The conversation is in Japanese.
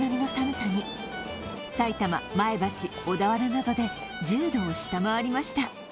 さいたま、前橋、小田原などで１０度を下回りました。